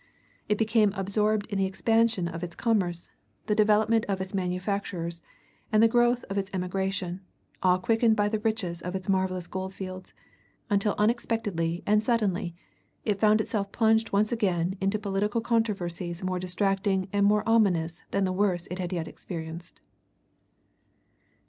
It became absorbed in the expansion of its commerce, the development of its manufactures, and the growth of its emigration, all quickened by the riches of its marvelous gold fields; until unexpectedly and suddenly it found itself plunged once again into political controversies more distracting and more ominous than the worst it had yet experienced.